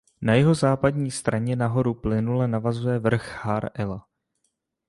Na jihozápadní straně na horu plynule navazuje vrch Har Ela.